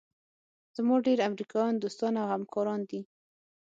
زما ډېر امریکایان دوستان او همکاران دي.